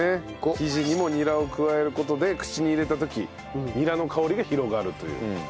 生地にもニラを加える事で口に入れた時ニラの香りが広がるという。